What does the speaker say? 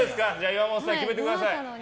岩本さん決めてください。